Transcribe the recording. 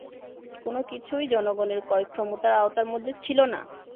কোন কিছুই জনগণের ক্রয়ক্ষমতার আওতার মধ্যে ছিল না।